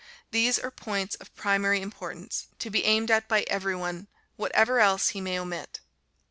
These are points of primary importance, to be aimed at by every one, whatever else he may omit.